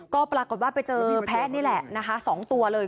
ก็ปรากฏว่าไปเจอแพะนี่แหละนะคะ๒ตัวเลย